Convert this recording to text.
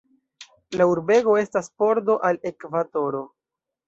La urbego estas pordo al Ekvatoro.